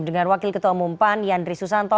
dengan wakil ketua umum pan yandri susanto